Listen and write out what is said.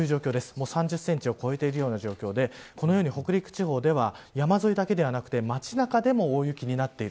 もう３０センチを超えている状況でこのように北陸地方では山沿いだけではなく街中でも大雪になっている。